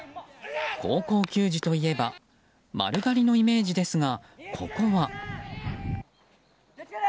高校球児といえば丸刈りのイメージですが、ここは。